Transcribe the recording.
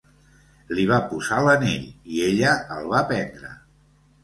Li va posar l'anell, i ella el va pendre.